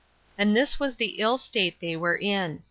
And this was the ill state they were in.